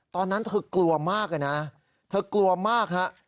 ตอนนั้นเธอกลัวมากเลยนะเธอกลัวมากฮะ